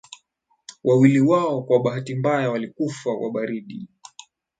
wawili wao kwa bahati mbaya walikufa kwa baridi